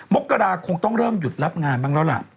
มกราคงต้องเริ่มหยุดรับงานบ้างแล้วล่ะ